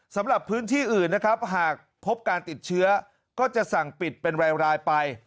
สำหรับพื้นที่อื่นนะครับหากพบการติดเชื้อก็จะสั่งปิดเป็นรายไป